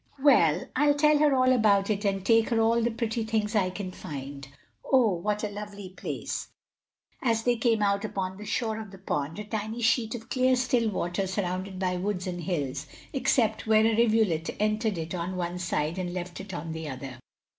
"Well, I'll tell her all about it and take her all the pretty things I can find. Oh, what a lovely place!" as they came out upon the shore of the pond, a tiny sheet of clear still water surrounded by woods and hills except where a rivulet entered it on one side and left it on the other.